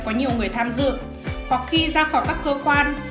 có nhiều người tham dự hoặc khi ra khỏi các cơ quan